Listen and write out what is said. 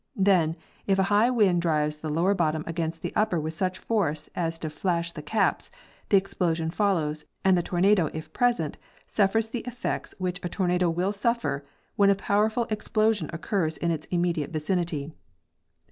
Then, if a high wind drives the lower bottom against the upper with such force as to flash the caps, the explosion follows, and the tornado (if present) suffers the effects which a tornado will suffer when a powerful explosion occurs in its immediate vicinity.